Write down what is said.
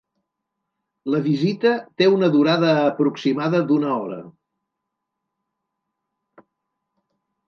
La visita te una durada aproximada d’una hora.